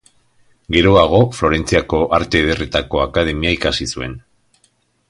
Geroago, Florentziako Arte Ederretako Akademia ikasi zuen.